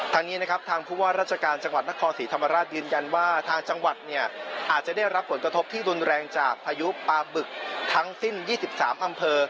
ทางพุกว่ารัชการจังหวัดนครภิกษ์ศรีธรรมราชยืนยันว่าทางจังหวัดอาจจะได้รับผลกระทบที่นุ่นแรงจากพายุปาบึกทั้งสิ้น๒๓อำเภอ